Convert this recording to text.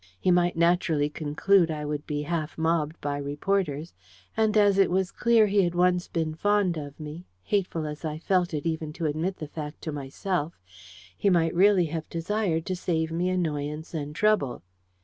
He might naturally conclude I would be half mobbed by reporters; and as it was clear he had once been fond of me hateful as I felt it even to admit the fact to myself he might really have desired to save me annoyance and trouble.